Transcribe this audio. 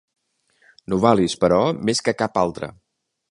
Novalis, però, més que cap altre.